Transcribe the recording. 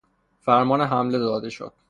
فرمان حمله داده شد